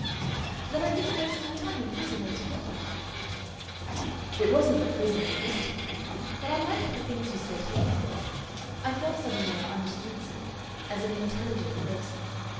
"Then I didn't waste my time in prison altogether?" "It wasn't the prison impressed me. But I liked the things you said here. I felt suddenly I understood you as an intelligent person.